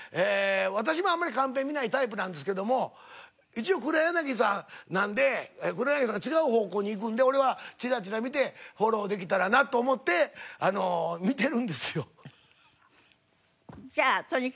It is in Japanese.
私もあんまりカンペ見ないタイプなんですけども一応黒柳さんなんで黒柳さん違う方向に行くんで俺はチラチラ見てフォローできたらなと思ってあの見てるんですよ。